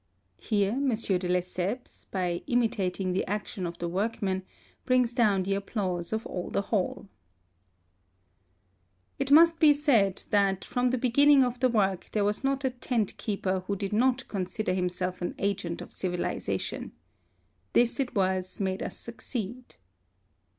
(Here M. de Lesseps, by imitating the action of the workmen, brings down the applause of all the hall.) t ) 88 HISTORY of' It must be said that from the beginning of the work there was not a tent keeper who did not consider himself an agent of civilisa tion. This it was made us succeed.